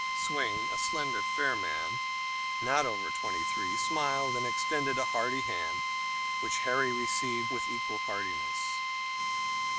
Swayne, a slender, fair man, not over twenty three, smiled and extended a hearty hand, which Harry received with equal heartiness.